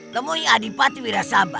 temui adipati wirasaba